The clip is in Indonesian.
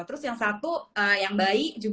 terus yang satu yang bayi